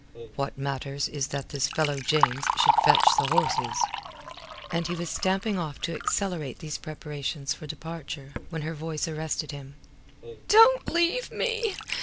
"What matters is that this fellow James should fetch the horses." And he was stamping off to accelerate these preparations for departure, when her voice arrested him. "Don't leave me!